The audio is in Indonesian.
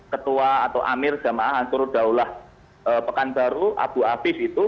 ketua atau amir saya maaf ansuruddaullah pekanbaru abu abis itu